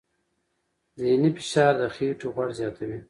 ذهني فشار د خېټې غوړ زیاتوي.